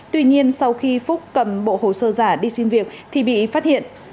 tuy nhiên sau khi phúc cầm bộ hồ sơ giả đi xin việc thì bị phát hiện